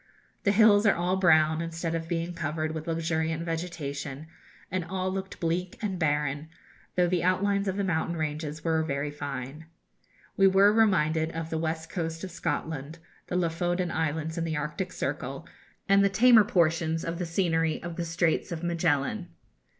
The hills are all brown, instead of being covered with luxuriant vegetation, and all looked bleak and barren, though the outlines of the mountain ranges were very fine. We were reminded of the west coast of Scotland, the Lofoden Islands in the Arctic Circle, and the tamer portions of the scenery of the Straits of Magellan.